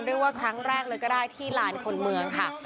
เรียกว่าครั้งแรกเลยก็ได้ที่ลานคนเมืองค่ะ